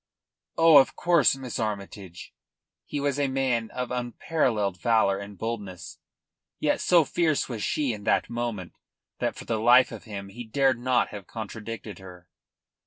"Oh, of course, Miss Armytage!" He was a man of unparalleled valour and boldness, yet so fierce was she in that moment that for the life of him he dared not have contradicted her.